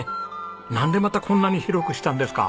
なんでまたこんなに広くしたんですか？